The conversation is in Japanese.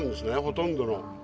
ほとんどの。